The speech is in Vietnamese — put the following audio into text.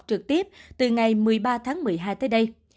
trực tiếp từ ngày một mươi ba tháng một mươi hai tới đây